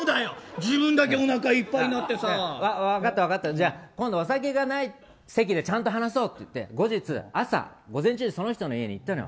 自分だけ分かった、分かったじゃあ今度お酒がない席でちゃんと話そうって言って後日、朝、午前中にその人の家に行ったのよ。